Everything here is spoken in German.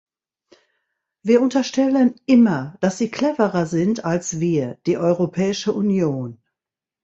Wir unterstellen immer, dass sie cleverer sind als wir, die Europäische Union.